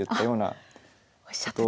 あっおっしゃってた！